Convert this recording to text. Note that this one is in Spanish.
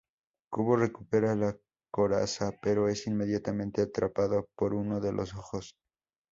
Kubo recupera la coraza, pero es inmediatamente atrapado por uno de los ojos.